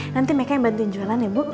nanti mereka yang bantuin jualan ya bu